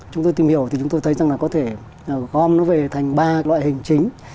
chúng tôi tìm hiểu chúng tôi thấy có thể gom nó về thành ba loại hình chính